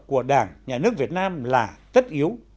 của đảng nhà nước việt nam là tất yếu